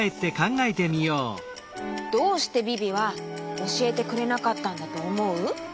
どうしてビビはおしえてくれなかったんだとおもう？